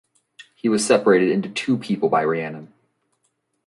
He was separated into two people by Rhiannon.